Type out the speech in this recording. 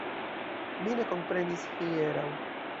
Mi ne komprenis hieraŭ.